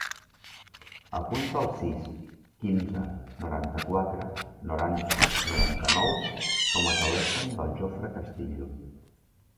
Apunta el sis, quinze, noranta-quatre, noranta, noranta-nou com a telèfon del Jofre Castillo.